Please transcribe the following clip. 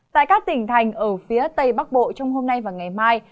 tại các tỉnh thành ở phía tây bắc bộ trong hôm nay và ngày mai